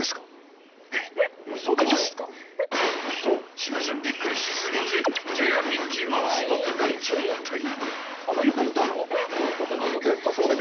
［千葉ちゃんびっくりし過ぎて手がミッキーマウスっぽくなっちゃったい］